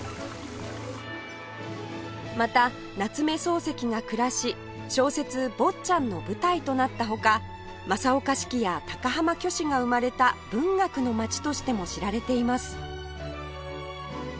また夏目漱石が暮らし小説『坊っちゃん』の舞台となったほか正岡子規や高浜虚子が生まれた「文学のまち」としても知られています